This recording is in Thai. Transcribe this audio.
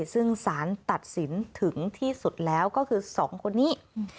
ซึ่งสารตัดสินถึงที่สุดแล้วก็คือ๒คนนี้